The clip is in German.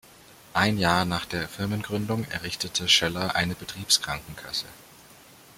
Ein Jahr nach der Firmengründung errichtete Schoeller eine Betriebskrankenkasse.